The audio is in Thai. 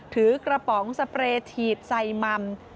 ถือกระป๋องสเปรย์ฉีดใส่มัม